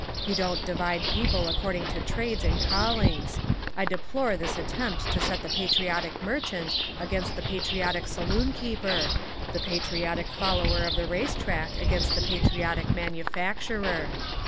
You don't divide people according to trades and callings. I deplore this attempt to set the patriotic merchant against the patriotic saloonkeeper; the patriotic follower of the race track against the patriotic manufacturer.